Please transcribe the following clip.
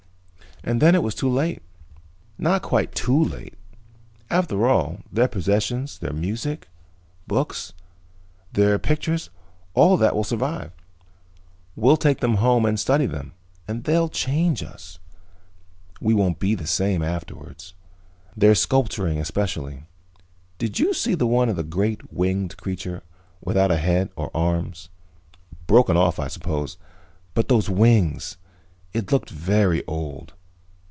"And then it was too late." "Not quite too late. After all, their possessions, their music, books, their pictures, all of that will survive. We'll take them home and study them, and they'll change us. We won't be the same afterwards. Their sculpturing, especially. Did you see the one of the great winged creature, without a head or arms? Broken off, I suppose. But those wings It looked very old.